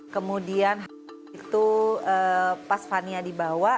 kemudian itu pas fania dibawa